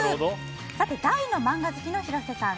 大のマンガ好きの広瀬さん